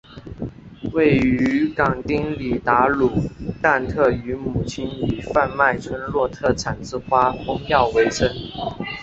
位于港町里达鲁旦特与母亲以贩卖村落特产之花封药为生。